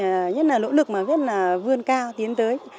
anh nhất là lỗ lực mà biết là vươn cao tiến tới